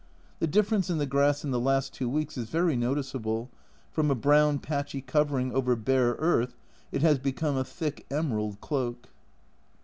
The difference in the grass in the last two weeks is very noticeable from a brown patchy covering over bare earth it has become a thick emerald cloak.